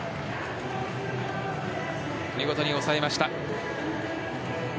見事に抑えました。